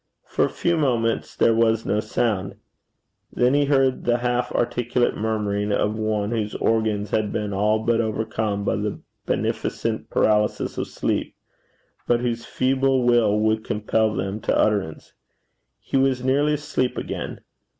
For a few moments there was no sound. Then he heard the half articulate murmuring of one whose organs have been all but overcome by the beneficent paralysis of sleep, but whose feeble will would compel them to utterance. He was nearly asleep again.